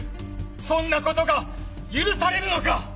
そんなことが許されるのか！